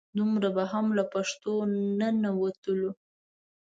دومره به هم له پښتو نه نه وتلو.